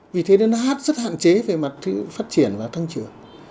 vì thế nên nó hát rất hạn chế về mặt phát triển và thăng trưởng